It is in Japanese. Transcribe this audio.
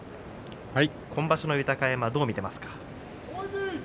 今場所の豊山、どう見ていますか。